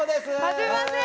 はじめまして！